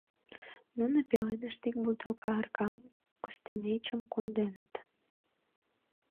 Нуно пеленышт ик бутылка аракам, костенечым конденыт.